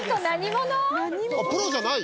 プロじゃない？